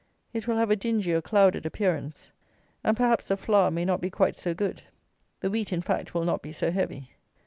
It will have a dingy or clouded appearance; and perhaps the flour may not be quite so good. The wheat, in fact, will not be so heavy.